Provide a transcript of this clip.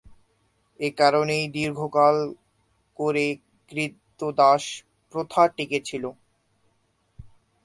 একারণেই দীর্ঘকাল করে ক্রীতদাস প্রথা টিকে ছিল।